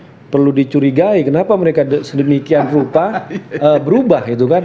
menurut saya itu perlu dicurigai kenapa mereka sedemikian rupa berubah itu kan